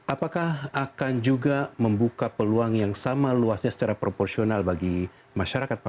apakah akan juga membuka peluang yang sama luasnya secara proporsional bagi masyarakat pak